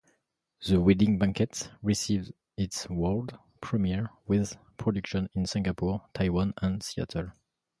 "The Wedding Banquet" received its world premiere with productions in Singapore, Taiwan, and Seattle.